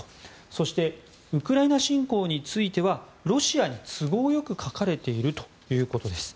そしてウクライナ侵攻についてはロシアに都合よく書かれているということです。